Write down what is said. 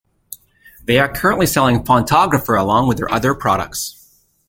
They are currently selling Fontographer along with their other products.